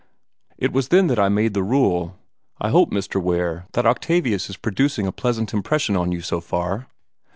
It was then that I made the rule. I hope, Mr. Ware, that Octavius is producing a pleasant impression upon you so far?"